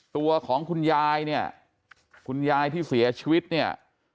ตัวของคุณยายเนี่ยคุณยายที่เสียชีวิตเนี่ย